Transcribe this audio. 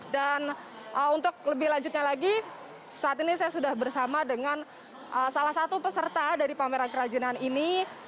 dan untuk lebih lanjutnya lagi saat ini saya sudah bersama dengan salah satu peserta dari pameran kerajinan ini